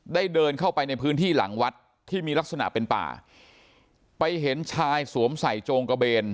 เดินเข้าไปในพื้นที่หลังวัดที่มีลักษณะเป็นป่าไปเห็นชายสวมใส่โจงกระเบน